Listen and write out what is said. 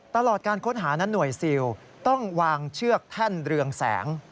ตลอดการค้นหานั้นหน่วยซิลต้องวางเชือกแท่นเรืองแสง